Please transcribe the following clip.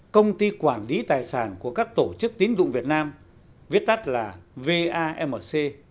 công ty quản lý tài sản của các tổ chức tín dụng việt nam viết tắt là vamc